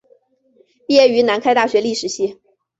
毕业于南开大学历史系。